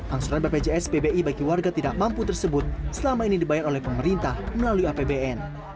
angsuran bpjs pbi bagi warga tidak mampu tersebut selama ini dibayar oleh pemerintah melalui apbn